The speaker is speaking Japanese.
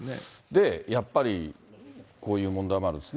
やっぱりこういう問題もあるんですね。